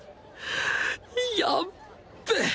やっべえ！